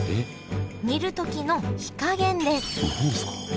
煮る時の火加減です。